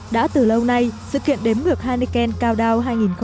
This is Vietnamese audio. đã từ lâu nay sự kiện đếm ngược henneken cao đao hai nghìn một mươi bảy